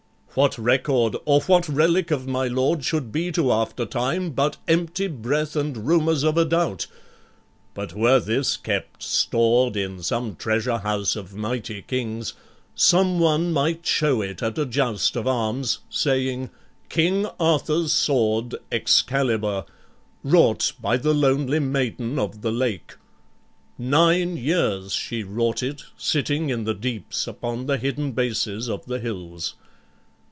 What record, or what relic of my lord Should be to after time, but empty breath And rumors of a doubt? But were this kept, Stored in some treasure house of mighty kings, Some one might show it at a joust of arms, Saying, 'King Arthur's sword, Excalibur, Wrought by the lonely maiden of the Lake. Nine years she wrought it, sitting in the deeps Upon the hidden bases of the hills.'